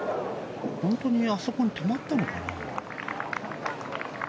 本当にあそこに止まったのかな？